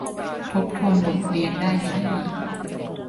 ทบทวนบทเรียนได้ที่